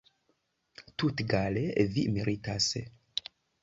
Tutegale vi meritas.